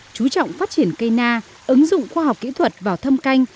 chú trọng phát triển cây na ứng dụng khoa học kỹ thuật vào thâm canh